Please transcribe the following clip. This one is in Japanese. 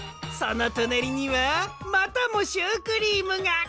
そのとなりにはまたもシュークリームが！